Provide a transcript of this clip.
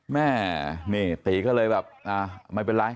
แม่นี่ตีก็เลยแบบไม่เป็นไร